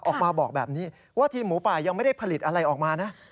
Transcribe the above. ออกมาบอกแบบนี้ว่าทีมหมูป่ายังไม่ได้ผลิตอะไรออกมานะ